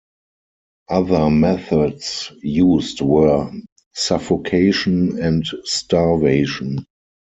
Other methods used were suffocation and starvation.